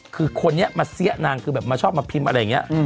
คือคนนี้มาเสี้ยตัวนางคือแบบชอบมาพิมพ์อะไรแบบนี้